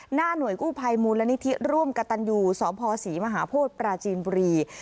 หน้าหน่วยกู้ภัยมูลนิธิร่วมกระตันยูสพศรีมหาโพธิปราจีนบุรี